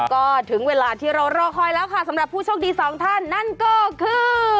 ก็ถึงเวลาที่เรารอคอยแล้วค่ะสำหรับผู้โชคดีสองท่านนั่นก็คือ